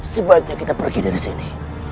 sebaiknya kita pergi dari sini